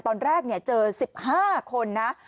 ตอนแรกเจอ๑๕คนนะ